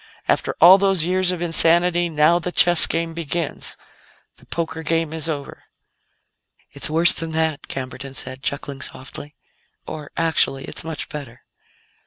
After all those years of insanity, now the chess game begins; the poker game is over." "It's worse than that," Camberton said, chuckling softly. "Or, actually, it's much better."